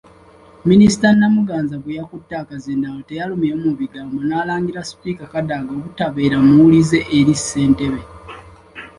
Minisita Namuganza bwe yakutte akazindaalo teyalumye mu bigambo n'alangira Sipiika Kadaga obutabeera muwulize eri Ssentebe.